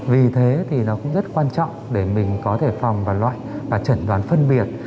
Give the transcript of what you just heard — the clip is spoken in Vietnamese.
vì thế thì nó cũng rất quan trọng để mình có thể phòng và loại và chẩn đoán phân biệt